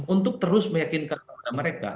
untuk terus meyakinkan pada mereka